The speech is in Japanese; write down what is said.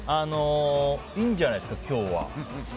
いいんじゃないですか今日は。